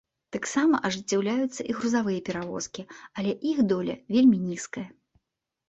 Таксама ажыццяўляюцца і грузавыя перавозкі, але іх доля вельмі нізкая.